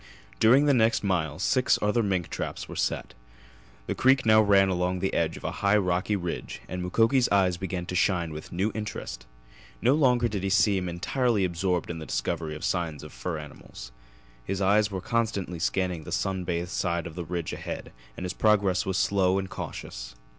During the next mile six other mink traps were set. The creek now ran along the edge of a high rocky ridge and Mukoki's eyes began to shine with a new interest. No longer did he seem entirely absorbed in the discovery of signs of fur animals. His eyes were constantly scanning the sun bathed side of the ridge ahead and his progress was slow and cautious.